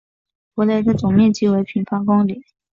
博雷的总面积为平方公里。